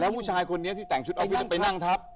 ผู้ชายคนนี้ที่แต่งชุดออฟฟิศไปนั่งทับ